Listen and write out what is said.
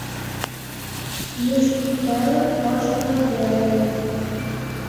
Йӱштӧ телым, ош лум велын